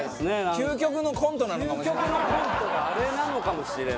究極のコントがあれなのかもしれない。